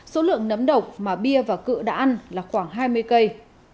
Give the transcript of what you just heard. số lượng nấm độc mà bia và cự đã ăn là khoảng hai mươi cây